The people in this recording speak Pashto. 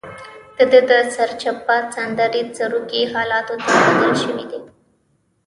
دده د سرچپه سندرې سروکي حالاتو ته بدل شوي دي.